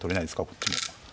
こっちも。